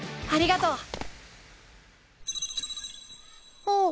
あありがとう。